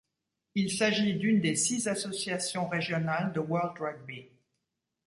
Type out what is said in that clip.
Il s'agit d'une des six associations régionales de World Rugby.